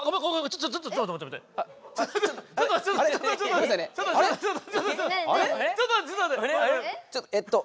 ちょっとまって。